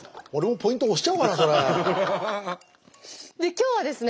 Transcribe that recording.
今日はですね